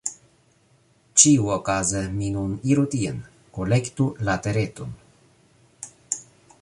Ĉiuokaze mi nun iru tien, kolektu la Tereton…